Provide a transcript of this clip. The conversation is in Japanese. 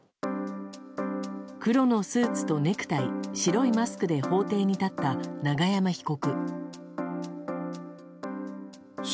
黒のスーツとネクタイ白いマスクで法廷に立った永山被告。